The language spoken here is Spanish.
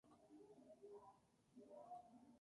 Tienen cinco pares de patas falsas.